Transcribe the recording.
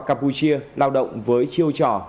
campuchia lao động với chiêu trò